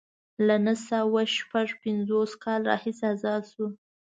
له نهه سوه شپږ پنځوس کال راهیسې ازاد شو.